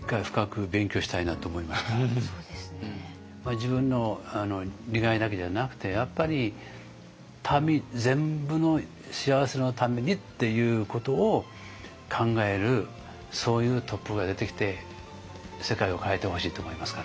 自分の利害だけじゃなくてやっぱり民全部の幸せのためにっていうことを考えるそういうトップが出てきて世界を変えてほしいと思いますから。